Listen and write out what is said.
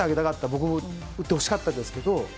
僕も打ってほしかったですけど。